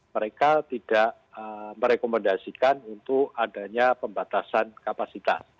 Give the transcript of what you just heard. mereka tidak merekomendasikan untuk adanya pembatasan kapasitas